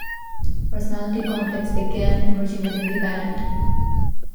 Personality conflicts began emerging within the band.